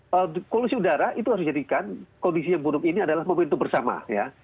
kalau polusi udara itu harus dijadikan kondisi yang buruk ini adalah momentum bersama ya